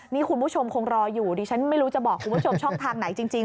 นี่คุณผู้ชมคงรออยู่ดิฉันไม่รู้จะบอกคุณผู้ชมช่องทางไหนจริง